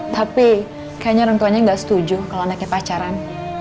tapi kayaknya orang tuanya nggak setuju kalau anaknya pacaran